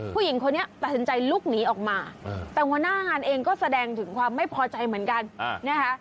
ผู้หญิงคนนี้ตัดสินใจลุกหนีออกมาแต่หัวหน้างานเองก็แสดงถึงความไม่พอใจเหมือนกันนะคะ